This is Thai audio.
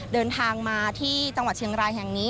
เดินทางมาที่จังหวัดเชียงรายแห่งนี้